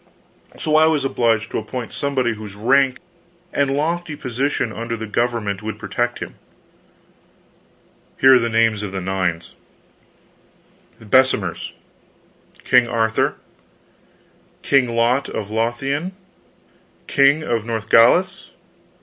So I was obliged to appoint somebody whose rank and lofty position under the government would protect him. Here are the names of the nines: BESSEMERS ULSTERS KING ARTHUR. EMPEROR LUCIUS. KING LOT OF LOTHIAN. KING LOGRIS. KING OF NORTHGALIS.